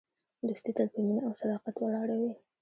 دوستي تل په مینه او صداقت ولاړه وي.